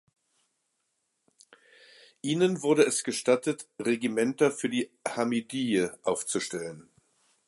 Ihnen wurde es gestattet Regimenter für die Hamidiye aufzustellen.